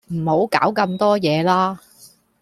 唔好搞咁多嘢啦